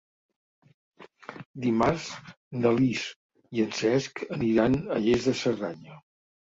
Dimarts na Lis i en Cesc aniran a Lles de Cerdanya.